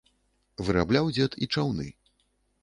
Вырабляў дзед і чаўны.